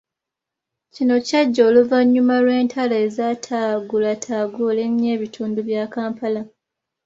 Kino kyajja oluvanyuma lw'entalo ezataagulataagula ennyo ebitundu bya Kampala.